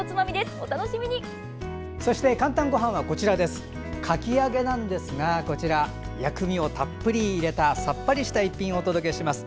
「かんたんごはん」はかき揚げなんですが薬味をたっぷり入れたさっぱりな一品をお届けします。